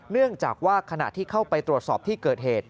เนื่องจากว่าขณะที่เข้าไปตรวจสอบที่เกิดเหตุ